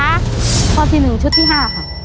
ตัวเลือกที่หนึ่งชุดที่ห้าครับ